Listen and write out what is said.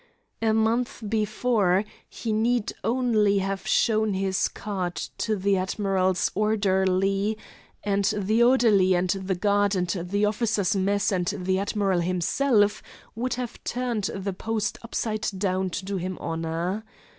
A month before, he need only have shown his card to the admiral's orderly, and the orderly and the guard and the officers' mess and the admiral himself would have turned the post upside down to do him honor.